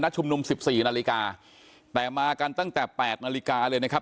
ชุมนุมสิบสี่นาฬิกาแต่มากันตั้งแต่๘นาฬิกาเลยนะครับ